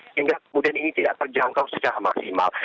sehingga kemudian ini tidak terjangkau secara maksimal